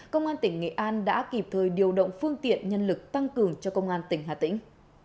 công an tỉnh nghệ an đã kịp thời điều động phương tiện nhân lực tăng cường cho công an tỉnh hà tĩnh